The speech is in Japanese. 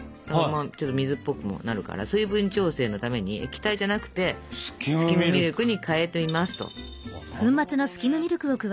ちょっと水っぽくもなるから水分調整のために液体じゃなくてスキムミルクに代えていますと。